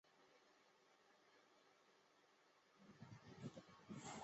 曾经效力朝鲜足球联赛足球队机关车和瑞士足球挑战联赛康戈迪亚。